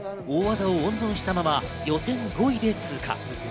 大技を温存したまま予選５位で通過。